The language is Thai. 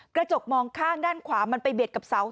กระจกมองข้างด้านขวามันไปเบียดกับเสา